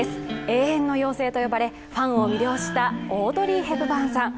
永遠の妖精と呼ばれファンを魅了したオードリー・ヘプバーンさん。